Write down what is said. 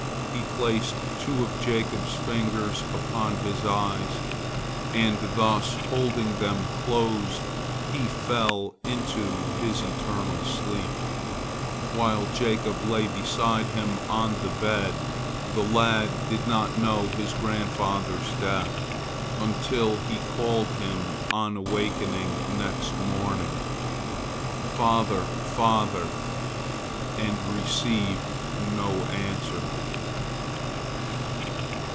He placed two of Jacob's fingers upon his eyes, and thus holding them closed he fell into his eternal sleep, while Jacob lay beside him on the bed. The lad did not know of his grandfather's death, until he called him, on awakening next morning, "Father, father," and received no answer.